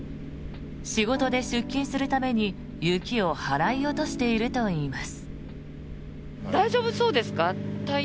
仕事で出勤するために雪を払い落としているといいます。